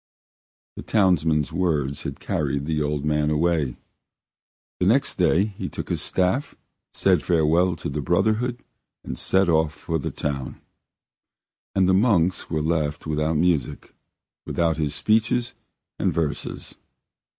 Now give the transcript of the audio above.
The townsman's words had carried the old man away. The next day he took his staff, said farewell to the brotherhood, and set off for the town. And the monks were left without music, and without his speeches and verses.